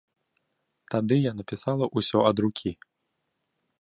Тады я напісала ўсё ад рукі.